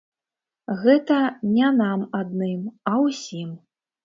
Гэта не нам адным, а ўсім.